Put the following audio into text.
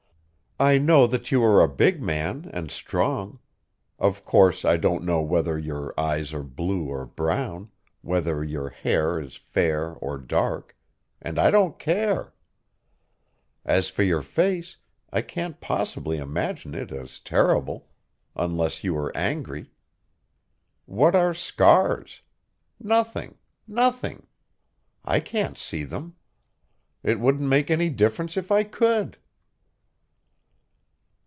I know that you are a big man and strong. Of course I don't know whether your eyes are blue or brown, whether your hair is fair or dark and I don't care. As for your face I can't possibly imagine it as terrible, unless you were angry. What are scars? Nothing, nothing. I can't see them. It wouldn't make any difference if I could."